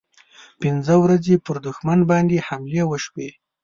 پنځه ورځې پر دښمن باندې حملې وشوې.